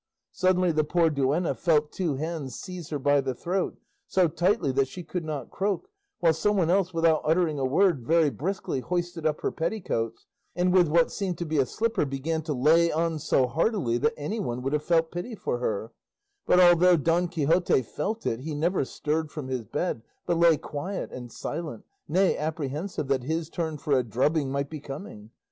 Suddenly the poor duenna felt two hands seize her by the throat, so tightly that she could not croak, while some one else, without uttering a word, very briskly hoisted up her petticoats, and with what seemed to be a slipper began to lay on so heartily that anyone would have felt pity for her; but although Don Quixote felt it he never stirred from his bed, but lay quiet and silent, nay apprehensive that his turn for a drubbing might be coming.